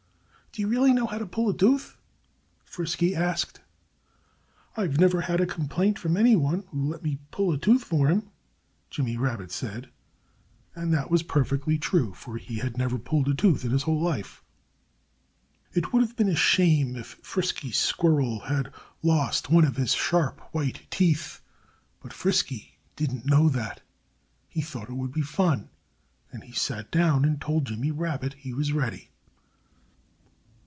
"Do you really know how to pull a tooth?" Frisky asked. "I've never yet had a complaint from anyone who let me pull a tooth for him," Jimmy Rabbit said. And that was perfectly true for he had never pulled a tooth in his whole life. It would have been a shame if Frisky Squirrel had lost one of his sharp, white teeth. But Frisky didn't know that. He thought it would be fun. And he sat down and told Jimmy Rabbit he was ready.